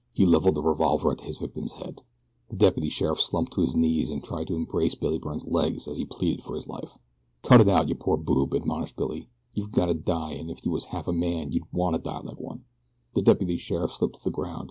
He leveled the revolver at his victim's head. The deputy sheriff slumped to his knees and tried to embrace Billy Byrne's legs as he pleaded for his life. "Cut it out, you poor boob," admonished Billy. "You've gotta die and if you was half a man you'd wanna die like one." The deputy sheriff slipped to the ground.